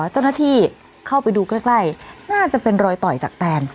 เจ้าหน้าที่เข้าไปดูใกล้น่าจะเป็นรอยต่อยจากแตน